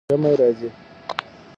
ژمی راځي